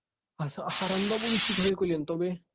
হারানবাবু বিস্মিত হইয়া কহিলেন, তবে?